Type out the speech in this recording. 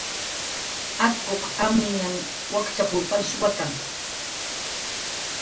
"Atquq amninhan wakchap"" palshuwata"